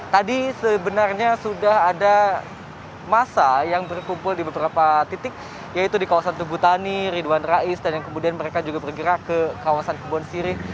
tadi sebenarnya sudah ada masa yang berkumpul di beberapa titik yaitu di kawasan tugutani ridwan rais dan kemudian mereka juga bergerak ke kawasan kebon sirih